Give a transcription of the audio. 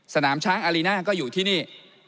สนามช้างอารีน่าก็อยู่ที่นี่